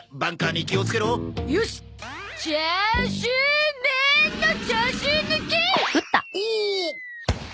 よしチャーシューメーンのチャーシュー抜きー！おお！